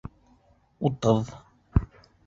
Утыҙ...